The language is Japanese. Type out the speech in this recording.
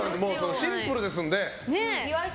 シンプルですので。